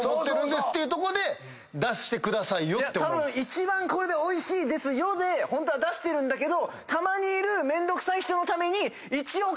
たぶん一番これでおいしいですよでホントは出してるんだけど。